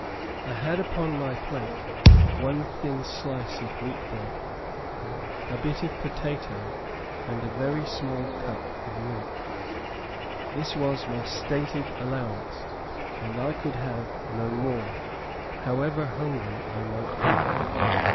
I had upon my plate, one thin slice of wheat bread, a bit of potato, and a very small cup of milk. This was my stated allowance, and I could have no more, however hungry I might be.